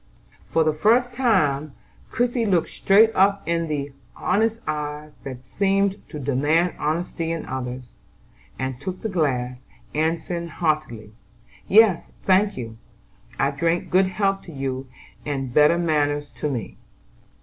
For the first time, Christie looked straight up in the honest eyes that seemed to demand honesty in others, and took the glass, answering heartily: "Yes, thank you; I drink good health to you, and better manners to me."